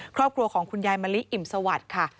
ครอบครัวของคุณยายมะลิอิ่มสวัสดิ์ค่ะ